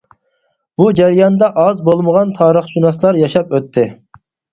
بۇ جەرياندا ئاز بولمىغان تارىخشۇناسلار ياشاپ ئۆتتى.